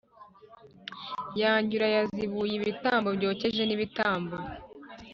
yanjye urayazibuye Ibitambo byokeje n ibitambo